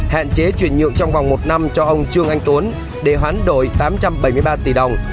hạn chế chuyển nhượng trong vòng một năm cho ông trương anh tuấn để hoán đổi tám trăm bảy mươi ba tỷ đồng